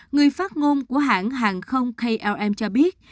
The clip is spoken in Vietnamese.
người phát ngôn của hãng hàng không klm cho biết